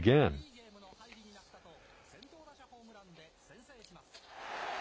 いいゲームの入りになったと、先頭打者ホームランで先制します。